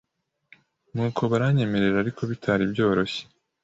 nuko baranyemerera ariko bitari byoroshye.